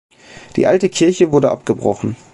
Die alte Kirche wurde abgebrochen.